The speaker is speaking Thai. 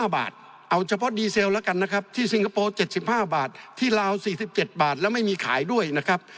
เอาเฉพาะดีเซลแล้วกันนะครับที่สิงคโปร์๗๕บาทที่ลาว๔๗บาทแล้วไม่มีขายด้วยนะครับ